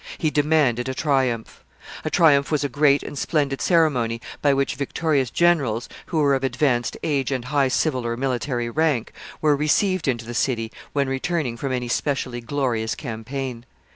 He demanded a triumph. A triumph was a great and splendid ceremony, by which victorious generals, who were of advanced age and high civil or military rank, were received into the city when returning from any specially glorious campaign.